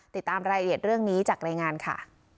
ติดตามรายละเอียดเรื่องนี้จากรายงานค่ะ